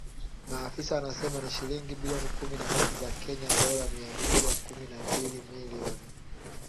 Maafisa wanasema ni shilingi bilioni kumi na tatu za Kenya dola mia moja kumi na mbili milioni.